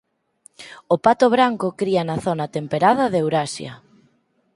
O pato branco cría na zona temperada de Eurasia.